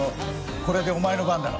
これでお前の番だろ